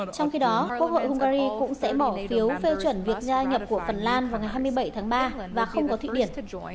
trong khi đó quốc hội hungary cũng sẽ bỏ phiếu phê chuẩn việc gia nhập của phần lan vào ngày hai mươi bảy tháng ba và không có thụy điển